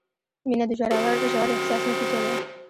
• مینه د ژور احساس نتیجه ده.